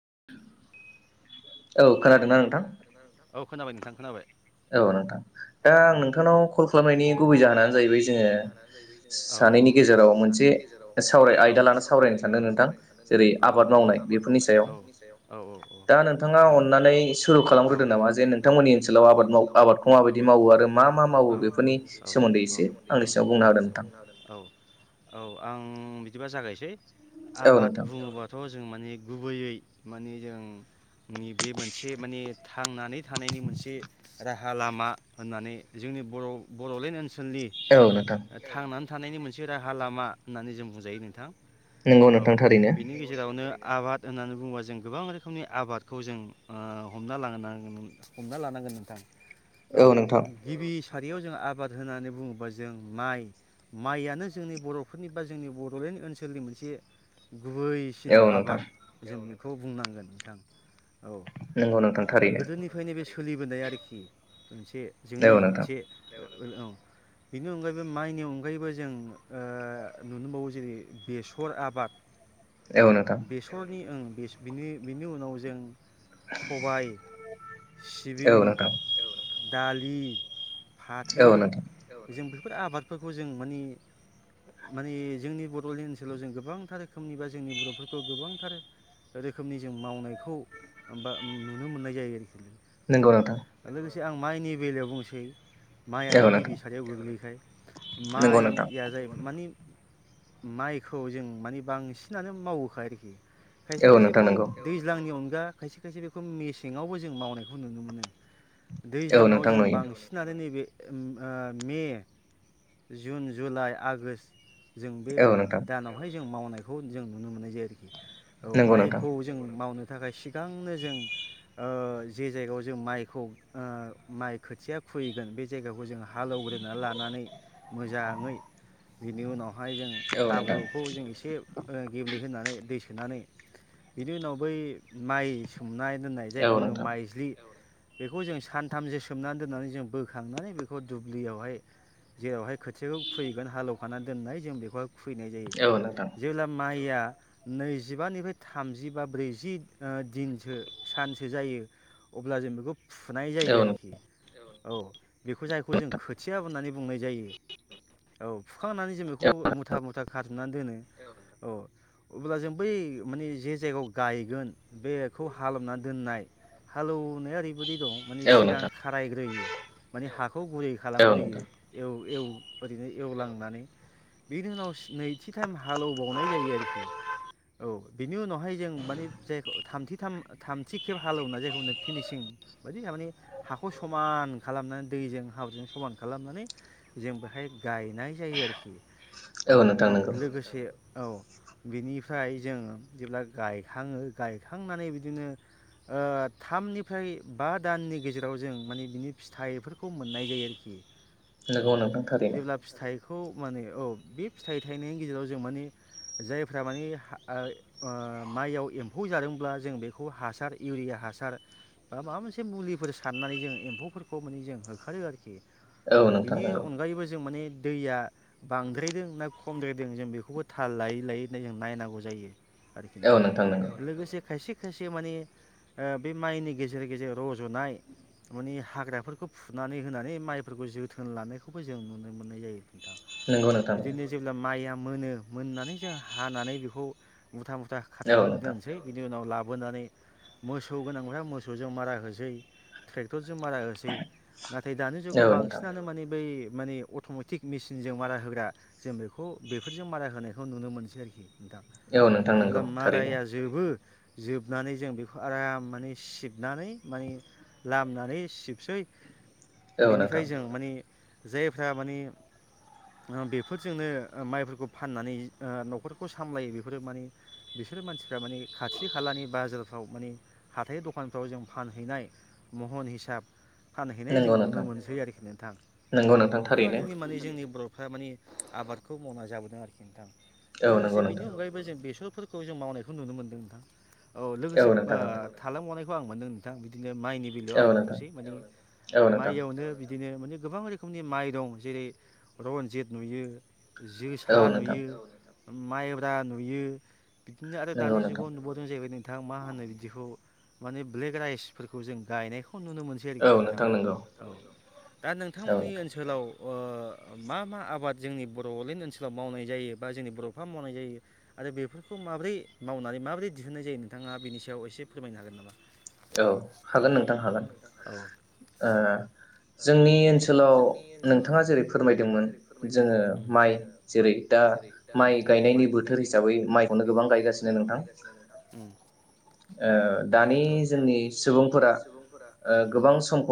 [unintelligible] Hello औ खोनाबाय नोंथां खोनाबाय। नोंथां दा आं नोंथांनाव कल खालामनायनि गुबै जाहोनानो जाहैबाय जोङो सानैनि गेजेराव मोनसे सावराय आयदा लानानै सावरायनो सानदों नोंथां जेरै आबाद मावनाय बेफोरनि सायाव दा नोंथाङा अननानै सुरु खालामग्रोदों नामा जे नोंथांमोननि ओनसोलाव आबाद औ औ औ औ औ औ औ आं बिदिबा जागायसै आबाद बुङोबाथ जों मानि गुबैयै माने जों नि बे मोनसे माने थांनानै थानायनि मोनसे राहा लामा होननानै जोंनि बर' बडलेण्ड ओन सोन्दि थांना थानायनि मोनसे राहा लामा होननानै जों बुंजायो नोंथां नंगौ नोंथां थारैनो आबाद होननानै बुङोबा जों गोबां रोखोमनि आबाद खौ जों हमना लांगोन हमना लानांगोन नोंथां औ गिबि फारियाव जों आबाद होननानै बुङोबा जों माइ माइयनो जोंनि बरफोरनि बा जोंनि बडलेण्ड ओनसोलनि मोनसे गुबैसिन आबाद जोंनि खौ बुंनांगोन नोंथां नंगौ नोंथां थारैनो खोलिबोनाय आरोखि मोनसे जोंनि मोनसे औ औ बिनि अनगायैबो माइनि अनगायैबो जों नुनोबावो जेरै बेसर आबाद। बेसरनि ओं बेनि बिनि उनाव जों सबाय सिबिं दालि फाथो जों बि बेफोर आबादफोरखौ जों माने माने जोंनि बड'लेण्ड ओनसोलाव जों गोबांथार रोखोमनि बा जोंनि बर'फोरखौ गोबांथार रोखोमनि जों मावनाय खौ बा नुनो मोननाय जायो आरोखि नोंगौ नोंथां नोंथां माइनि बेलायाव बुंसै माइआनो गिबि सारियाव गोग्लैखा माइया जायोमोन माने माइखौ जों माने बांसिनानो मावोखाय खायसे खायसे माने दै जोंंनि अनगा खायसे खायसे बेखौ मेसेङावबो जों मावनायखौ नुनो मोनो। दैज्लाङाव जों बांसिनानो नैबे मे जुन, जुलाइ, आगषट जों बे दानावहाय जों मावनाय बेखौ जों नुनो मोननाय जायो आरोखि औ माइखौ जों मावनो थाखाय सिगांनो जों जे जायगायाव जों माइखौ माइ खोथिया खुबैगोन बे जायगाखौ जों हालौवग्रोना लानानै मोजाङै बेनि उनाव बेहाय जों हाब्रुखौ जों एसे गेब्ले होनानै दै सोनानै बिनि उनाव बै माइ सोमनानै दोननाय जायखौनो माइज्लि बेखौ जों सानथामसो सोमनानै दोन्नानै जों बोखांनानै बेखौ दुब्लियावहाय जेरावहाय खोथियाखौ खुैगोन हालौवखानानै दोननाय जों बेखौहाय खुबैनाय जायो जेब्ला माइ नैजिबा निफ्राय थामजि बा ब्रैजि जि दिनसो सानसो जायो अब्ला जों बेखौ फुनाय जायो आरोखि औ बेखौ जायखौ जों खोथिया होननानै बुंनाय जायो औ फुखांनानै जों बेखौ मुथा मुथा खाथुमनानै दोनो औ अब्ला जों बै माने जे जायगायाव गायगोन बेखौ हालौना दोननाय हालौनाया ओरै बायदि दं माने सिगां खारायग्रोयो। माने हा खौ गुरै खालामग्रोयो एव-एव ओरैनो एवलांनानै बेनि उनाव नैथि टाइम हालौबावनाय जायो आरोखि औ बेनि उनावहाय जों मानि जायखौ थामथि थाम थामथि खेब हालौना जायखौ फिनिसिं बायदि मानि हाखौ समान खालामनानै दैजों हाब्रुजों समान खालामनानै जों बेहाय गायनाय जायो आरोखि। औ बि लोगोसे औ। बिनिफ्राय जोंङो जेब्ला गाय खांङो गायखांनानै बिदिनो ओ थामनिफ्राय बा दाननि गेजेराव जों माने बिनि फिथाइफोरखौ मोननाय जायो आरोखि। औ जेब्ला फिथाइखौ माने औ बे फिथाइ थायनायनि गेजेराव जों माने जायफ्रा मानि हा ओ माइयाव एम्फौ जादोंब्ला जों बेखौ हासार इउरिया हासार बा माबा मोनसे मुलिफोर सारनानै जों एम्फौफोरखौ माने जों होखारो आरोखि। औ बिनि अनगायैबो जों माने दैया बांद्रायदों ना खमद्रायदों जों बेखौबो थाल लायै-लायै जों नायनांगौ जायो। नोंथां लोगोसे खायसे खायसे माने ओ बे माइनि गेजेर-गेजेर रजनाय माने हाग्राफोरखौ फुनानै होनानै माइफोरखौ जोथोन लानायखौबो जों नुनो मोननाय जायो। बिदिनो जेब्ला माइआ मोनो मोननानै जों हानानै बेखौ मुथा मुथा खाथुमनानै दोनसै नि उनाव लाबोनानै मोसौ गोनांफ्रा मोसौजों मारा होसै ट्रेक्टरजों मारा होसै। नाथाय दानि जुगाव बांसिनानो माने बै माने अटमेटिक मेसिनजों मारा होग्रा जों बेखौ बेफोरजों मारा होनायखौ नुनो मोनसै आरोखि नोंथां। औ नों जेला माराया जोबो जोबनानै जों बेखौ आराम माने सिबनानै माने लामनानै सिबसै बेनिफ्राय जों माने जायफ्रा माने बेफोरजोंनो माइफोरखौ फाननानै ओ न'खरखौ ओ सामलायो बेफोरो माने बिसोरो मानसिफ्रा माने खाथि खालानि बाजारफ्राव माने हाथाइनि दखानफ्राव जों फानहैनाय महन हिसाब। फानहैनाय जों नुनो मोनसै आरोखि नोंथां औ बेफोरबायदिनो माने जोंनि बर' फ्रा माने आबादखौ मावना जाबोदों आरोखि नोंथां। लोगोसे बेनि अनगायैबो जों बेस फोरखौ जों मावनायखौ नुनो मोनदों नोंथां औ लोगोस से बा थालां बावनाइ आं मोनदों नोंथां बिदिनो माइनि बेलायाव आं बुंबावसै माने माइयावनो बिदिनो माने गोबां रोखोमनि माइ दं जेरै रनजित नुयो जोसा नुयो माइब्रा नुयो बिदिनो आरो दानि जुगाव नुबोदों जाहैबाय नोंथां मा होनो बिदिखौ माने ब्लेक राइसफोरखौ जों गायनायखौ नुनो मोनसै आरोखि नोंथां औ दा नोंथांमोननि ओनसोलाव ओ मा-मा आबाद जोंनि बरलेण्ड ओनसोलाव मावनाय जायो बा जोंनि बरफ्रा मावनाय जायो आरो बेफोरखौ। बेखौ माबोरै मावनानै माबोरै दिहुननाय जायो नोंथांङा बेनि सायाव एसे फोरमायनो हागोन नामा? हागोन नोंथां हागोन। जोंनि ओनसोलाव नोंथाङा जेरै फोरमायदोंमोन जोङो माइ जेरै दा माइ गायनायनि बोथोर हिसाबै बोथोर हिसाबै माइखौनो गोबां गायगासिनो नोंथां दानि जोंनि सुबुंफोरा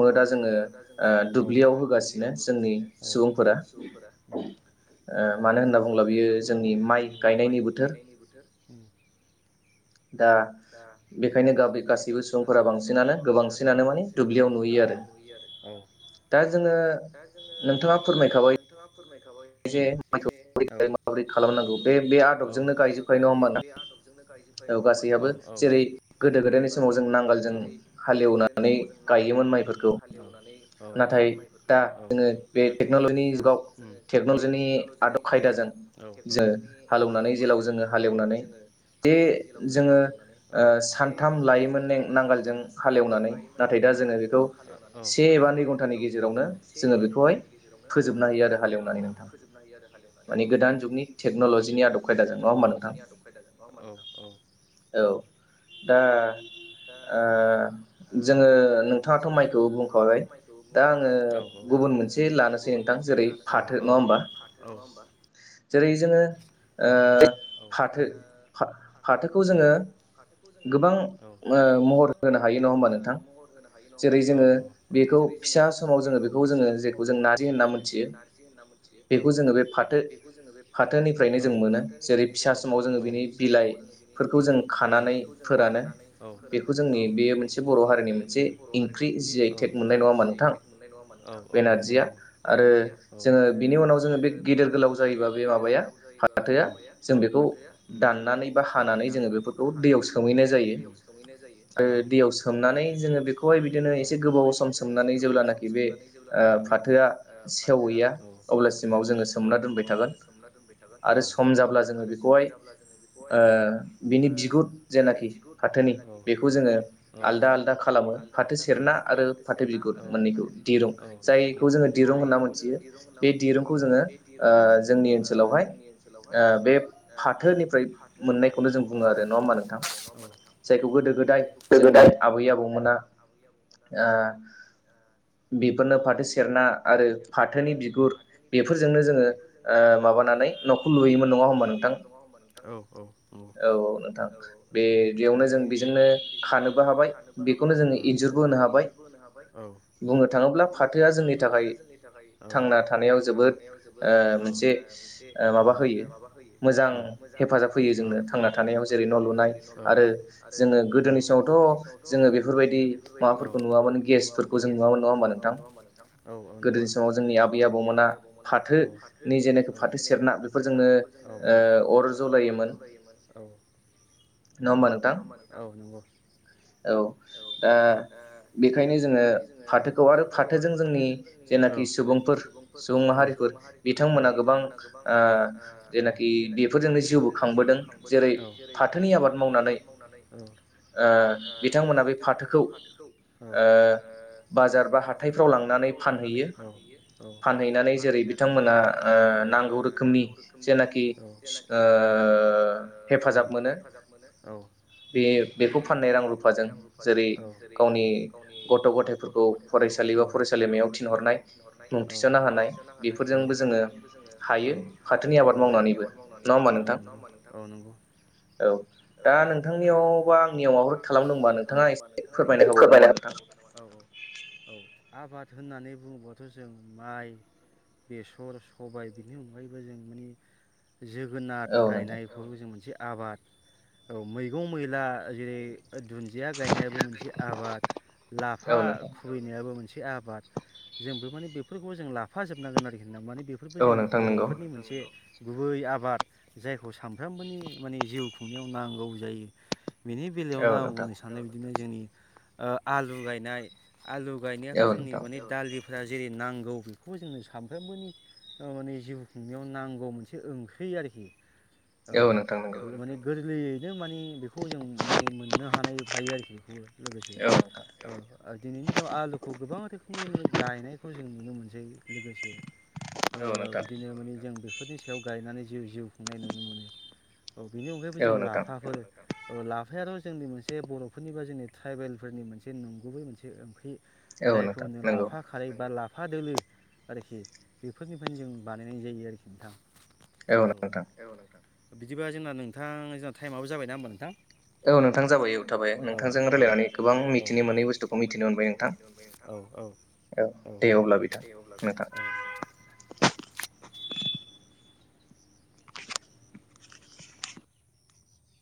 गोबां समखौनो दा जों ओ दुब्लियाव होगासिनो जोंनि सुबुंफोरा मानो होनना बुङोब्ला बियो जोंनि माइ गायनायनि बो गायनायनि बोथोर दा बेखायनो गासैबो सुबुंफोरा बांसिनानो गोबांसिनानो माने दुब्लियाव नुयो आरो दा जोङो नोंथाङा फोरमायखाबाय फोरमाय। जे माइखौ माबोरै खालामनांगौ बे बे आदब खालामनांगौ बे बे आदबजोंनो गायजोब्बाय नङा होम औ औ औ गासैयबो जेरै गोदो गोदायनि समाव जों नांगोलजों हालेवनानै गायोमोन माइफोरखौ नाथाय दा जे टेक्न'लजिनि आदब खायदाजों जोङो हालेवनानै खायदाजों जोङो हालेवनानै जेलाव जोङो हालेवनानै जे जोङो सानथाम लायोमोन नांगालजों हालेवनानै नाथाय दा जोङो बेखौ से एबा नै घन्टानि गेजेरावनो जोङो बेखौहाय माने नोंथां माने गोदान जुगनि टेक्न'ल'जिनि आदब खायदा जों नङा होमबा नोंथां औ दा जोङो नोंथाङाथ' माइखौ बुंखाबाय दा आङो गुबुन मोनसे लानोसै नोंथां जेरै औ औै जेरै फाथो नङा होमबा। जोङो फाथो फाथोखौ जोङो गोबां महर होनो हायो नङा होमबा नोंथां जेरै जोङो बेखौ फिसा समाव जोङो बेखौ जोङो जेखौ जों नारजि होनना मोनथियो होनना मिथियो बेखौ जोङो बे फाथो फाथो फाथोनिफ्रायनो जों मोनो जेरै फिसा समाव जोङो बिनि बिलाइफोरखौ जों खानानै फोरानो बेखौ जोंनि बेयो मोनसे बर' हारिनि मोनसे ओंख्रि जिआइ टेक मोननाय नङा होनबा नोंथां औ औ नंगौ नंगौ बे नारजिया जोङो बिनि उनाव जोङो बे गेदेर गोलाव जायोबा बे माबा गोलाव जायोबा बे माबाया फाथोआ जों बेखौ दाननानै बा हानानै जोङो बेफोरखौ दैयाव सोमहैनाय जायो आरो दैयाव सोमनानै जोङो बेखौहाय बिदिनो एसे गोबाव सम सोमनानै जेब्लानाखि बे फाथोआ अब्लासिमाव जोङो सोमना दोनबाय थागोन। सोमना दोनबाय थागोन आरो सम जाब्ला जोङो बेखौहाय बिनि बिगुर जेनाखि फाथोनि बेखौ जोङो आलदा आलदा खालामो फाथो सेरना आरो फाथो बिगुर दिरुं जायखौ जोङो दिरुं बे दिरुंखौ जोङो ओ जोंनि ओनसोलावहाय बे फाथोनिफ्राय मोननायखौनो जों बुङो आरो नङा होमबा नोंथां जायखौ गोदो गोदाय जोंनि आबै आबौमोना बेफोरनो फाथो सेरना आरो फाथोनि गुर बेफोरजोंनो जोङो ओ माबानानै न'खौ लुयोमोन नंङा होनबा नोंथां औ औ नोंथां बे बेयावनो जों बेजोंनो खानोबो हाबाय बेखौनो जोंङो इन्जुरबो होनो हाबाय बुंनो थाङोब्ला फाथोआ जोंनि थाखाय थांना थानायाव जोबोद औ ओ मोनसे औ ओ माबा होयो औ मोजां औ हेफाजाब होयो जोंनो थांना थानायाव जेरै औ न लुनाय आरो औ जोङो गोदोनि समावथ जोङो बेफोरबायदि औ माबाफोरखौ औ नुवामोन औ गेसफोरखौ जों नुयामोन नङा होमबा नोंथां औ औ नंगौ जोंनि आबै आबौमोना फाथो औ फाथो औ नि जेनाखि फाथो सेबना बेफोरजोंनो औ ओ अर जलायोमोन औ नङा होमबा नोंथां औ नंगौ औ दा बेखायनो जोङो फाथोखौ आरो फाथोजों जोंनि औ सुबुंफोर सुबुं माहारिफोर हारिफोर औ बिथांमोना गोबां ओ औ जेनाखि बेफोरजोंनो जिउबो खांबोदों औ जेरै फाथोनि आबाद मावनानै औ ओ बिथांमोना बे फाथोखौ औ ओ बाजार बा हाथायफ्राव लांनानै फानहैनानै जेरै बिथां मोना ओ नांगौ रोखोमनि जेनाखि ओ हेफाजाब मोनो बे बेखौ फाननाय रां रुफाजों जेरै गावनि गथ गथाइफोरखौ फरायसालि बा फरायसालिमायाव थिनहरनाय मुं थिसना होनाय बेफोर औ बेफोरजोंबो जोंङो औ हायो औ फाथोनि आबाद मावनानैबो औ नंगौ नङा होमबा नोंथां औ नंगौ औ दा नोंथांनियावबा आंनियाव माबाफोर थालांदोंबा नोंथाङा ए फोर नामा हो औ औ औ आबाद होननानै बुंङोबाथ जों माइ बेसर सबाय बिनि अनगायैबो जों मानि जोगोनार गायनायफोरबो जों मोनसे आबाद औ मैगं मैला जेरै दुन्दिया गायनायाबो मोनसे आबाद लाफा खुबैनायाबो मोनसे आबाद जोंबो माने बेफोरखौ जों लाफा जोब नांगोन आरोखि मानि बेफोरबो जोंनि बरफोरनि मोनसे गुबै आबाद जायखौ सानफ्रामबोनि मानि जिउ खुंनायाव नांगौ जायो बेनि बेलायावनो आं बुंनो सानो बिदिनो जोंनि आलु गायनाय आलु गायनायाथ जोंनि माने दालि फोरा जेरै नांगौ बेखौ जोंङो सानफ्रामबोनि मानि जिउ खुंनायाव नांगौ मोनसे ओंख्रि आरोखि औ माने गो गोयैयैनो मानि बेखौ जों माने मोननो हानाय फायो आरोखि बेखौबो लोगोसे औ दिनैनि दिनाव आलुखौ गोबां रोखोमनि मानि गायनायखौ जों नुनो मोनसै लोगोसे ओ बिदिनो माने जों बे बेफोरनि सायाव गायनानै जिउ-जिउ खुंनाय नुनो मोनो औ बेनि अनगायैबो जों लाफाफोर ओ लाफायाथ' जोंनि मोनसे बर'फोरनि बा जोंनि ट्राइबेलफोरनि मोनसे नंगुबै मोनसे ओंख्रि। जायखौनो लाफा खारै बा ला फा दोलो आरोखि बेफोरनिफ्रायनो जों बानायनाय जायो आरोखि नोंथां औ-औ नोंथां बिदिबा जोंना नोंथां जोंना थाइमाबो जाबाय ना होमबा नोंथां औ नोंथां जाबाय आं थाबाय नोंथांजों रायलायनानै गोबां मिथिनो मोनै बुस्थुखौ मिथिनो मोनबाय नोंथां औ- औ दे अब्ला औ दे